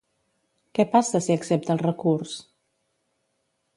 Què passa si accepta el recurs?